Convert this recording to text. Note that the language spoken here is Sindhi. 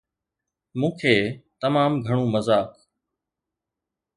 مون کي تمام گهڻو مذاق